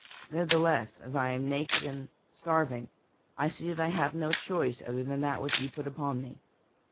Ne'ertheless, as I am naked and starving, I see that I have no choice other than that which ye put upon me."